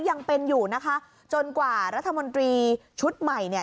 ยังเป็นอยู่นะคะจนกว่ารัฐมนตรีชุดใหม่เนี่ย